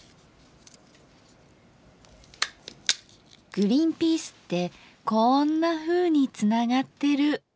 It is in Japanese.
グリンピースってこんなふうにつながってる。